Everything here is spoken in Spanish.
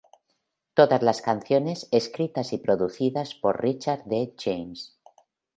Todas las canciones escritas y producidas por Richard D. James.